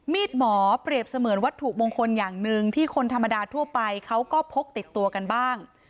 หมอเปรียบเสมือนวัตถุมงคลอย่างหนึ่งที่คนธรรมดาทั่วไปเขาก็พกติดตัวกันบ้าง